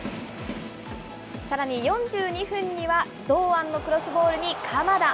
さらに４２分には堂安のクロスボールに鎌田。